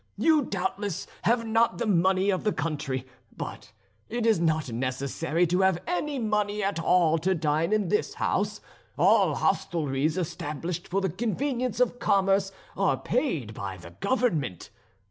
You doubtless have not the money of the country; but it is not necessary to have any money at all to dine in this house. All hostelries established for the convenience of commerce are paid by the government.